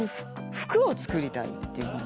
服を作りたいっていうまた。